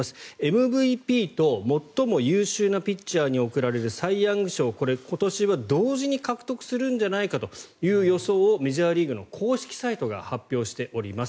ＭＶＰと最も優秀なピッチャーに贈られるサイ・ヤング賞これ、今年は同時に獲得するんじゃないかという予想をメジャーリーグの公式サイトが発表しております。